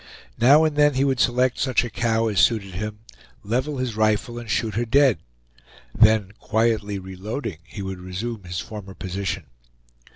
Now and then he would select such a cow as suited him, level his rifle, and shoot her dead; then quietly reloading, he would resume his former position.